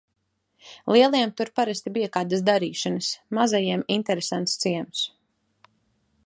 Lieliem tur parasti bija kādas darīšanas, mazajiem interesants ciems.